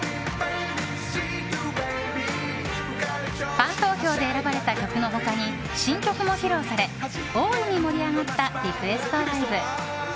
ファン投票で選ばれた曲の他に新曲も披露され大いに盛り上がったリクエストライブ。